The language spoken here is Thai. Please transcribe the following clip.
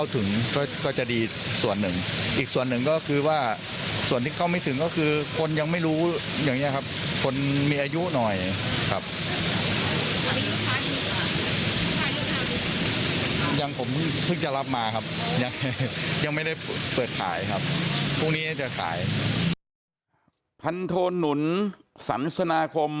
ท่านโทนหนุนสันสนาคม